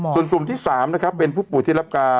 ส่วนกลุ่มที่๓นะครับเป็นผู้ป่วยที่รับการ